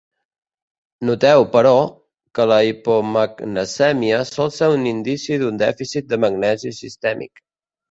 Noteu, però, que la hipomagnesèmia sol ser un indici d'un dèficit de magnesi sistèmic.